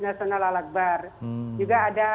nasional al akbar juga ada